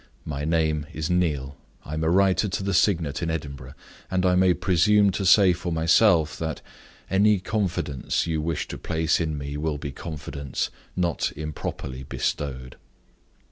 My name is Neal. I am a writer to the signet in Edinburgh; and I may presume to say for myself that any confidence you wish to place in me will be confidence not improperly bestowed."